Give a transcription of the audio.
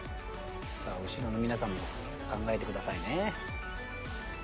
さあ後ろの皆さんも考えてくださいね。